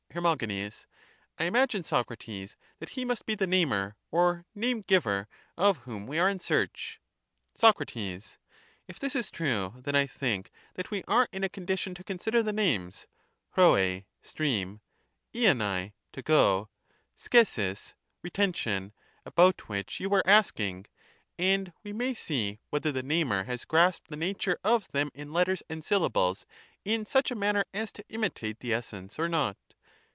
Her. I imagine, Socrates, that he must be the namer, or name giver, of whom we are in search. Soc. If this is true, then I think that we are in a condition to consider the names por] (stream), livaL (to go), oxiaig (re tention), about which you were a.sking ; and we may see whether the namer has grasped the nature of them in letters and syllables in such a manner as to imitate the essence or not.